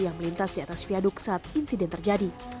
yang melintas di atas viaduk saat insiden terjadi